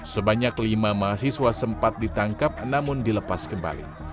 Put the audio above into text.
sebanyak lima mahasiswa sempat ditangkap namun dilepas kembali